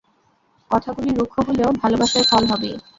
কথাগুলি রুক্ষ হলেও ভালবাসায় ফল হবেই।